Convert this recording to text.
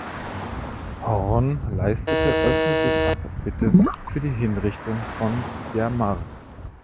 Hoorn leistete öffentlich Abbitte für die Hinrichtung von der Marks.